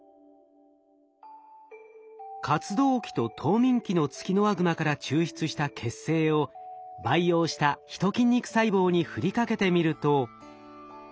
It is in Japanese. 活動期と冬眠期のツキノワグマから抽出した血清を培養したヒト筋肉細胞に振りかけてみると。